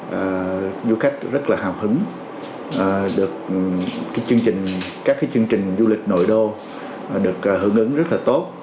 các du khách rất là hào hứng các chương trình du lịch nội đô được hưởng ứng rất là tốt